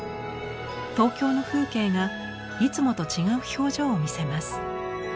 東京の風景がいつもと違う表情を見せます。